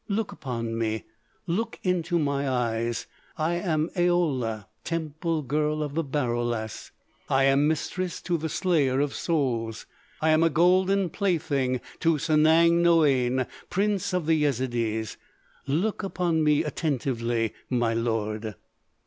Look upon me. Look into my eyes. I am Aoula, temple girl of the Baroulass! I am mistress to the Slayer of Souls! I am a golden plaything to Sanang Noïane, Prince of the Yezidees. Look upon me attentively, my lord!"